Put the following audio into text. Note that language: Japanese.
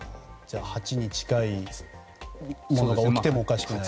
８に近いものが起きてもおかしくないと。